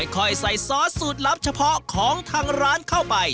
ค่อยใส่ซอสสูตรลับเฉพาะของทางร้านเข้าไป